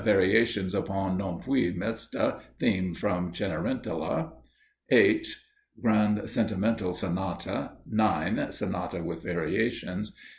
Variations upon "Non più mesta," theme from "Cenerentola." 8. Grand Sentimental Sonata. 9. Sonata, with variations.